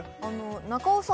中尾さん